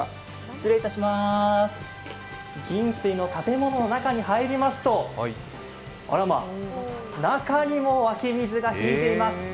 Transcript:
建物の中に入りますと、あらま、中にも湧き水が引かれています。